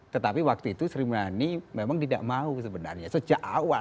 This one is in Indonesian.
tetapi waktu itu sri mulyani memang tidak mau sebenarnya sejak awal